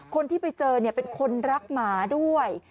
คนที่ไปเจอเป็นคนรักหมาด้วย